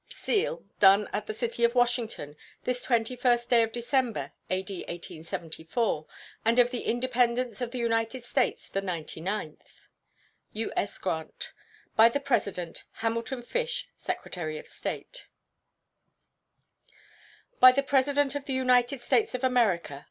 [SEAL.] Done at the city of Washington, this 21st day of December, A.D. 1874, and of the Independence of the United States the ninety ninth. U.S. GRANT. By the President: HAMILTON FISH, Secretary of State. BY THE PRESIDENT OF THE UNITED STATES OF AMERICA.